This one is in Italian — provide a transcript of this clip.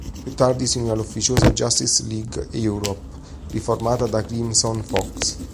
Più tardi si unì alla ufficiosa Justice League Europe riformata da Crimson Fox.